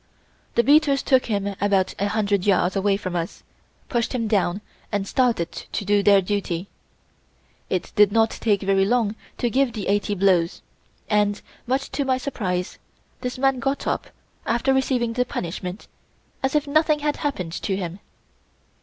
The beaters took him about a hundred yards away from us, pushed him down and started to do their duty. It did not take very long to give the eighty blows and, much to my surprise, this man got up, after receiving the punishment, as if nothing had happened to him.